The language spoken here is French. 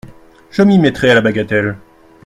Je m’y mettrai à la bagatelle…